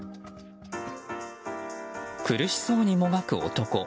苦しそうにもがく男。